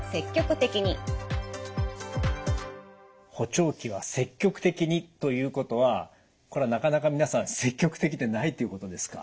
「補聴器は積極的に」ということはこれはなかなか皆さん積極的でないということですか。